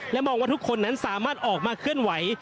มองว่าทุกคนนั้นสามารถออกมาเคลื่อนไหว